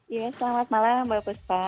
iya selamat malam bapak ustaz